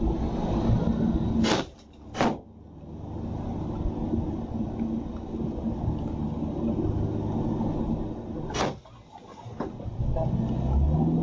อย่างนั้นยังเอาทสภาพช่วงศักดิ์